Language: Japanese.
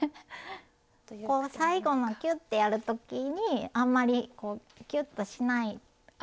こう最後のキュッてやる時にあんまりこうキュッとしなかったら緩くできる。